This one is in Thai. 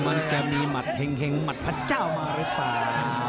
มันจะมีหัดเห็งหมัดพระเจ้ามาหรือเปล่า